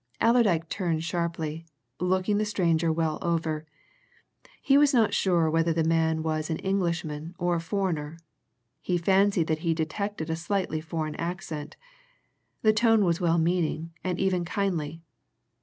Allerdyke turned sharply, looking the stranger well over. He was not sure whether the man was an Englishman or a foreigner; he fancied that he detected a slightly foreign accent. The tone was well meaning, and even kindly.